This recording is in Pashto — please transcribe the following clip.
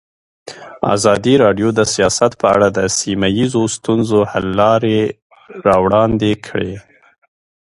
ازادي راډیو د سیاست په اړه د سیمه ییزو ستونزو حل لارې راوړاندې کړې.